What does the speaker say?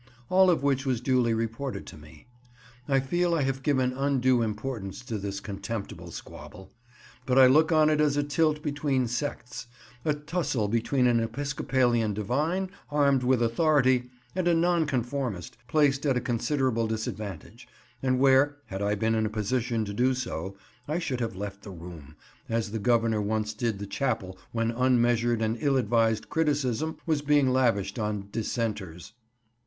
all of which was duly reported to me. I feel I have given undue importance to this contemptible squabble; but I look on it as a tilt between sects, a tussle between an Episcopalian divine, armed with authority, and a Nonconformist, placed at a considerable disadvantage, and where—had I been in a position to do so—I should have left the room—as the Governor once did the Chapel when unmeasured and ill advised criticism was being lavished on Dissenters.